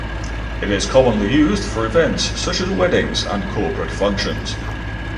It is commonly used for events such as weddings and corporate functions.